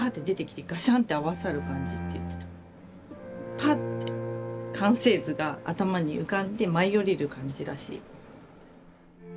パッて完成図が頭に浮かんで舞い降りる感じらしい。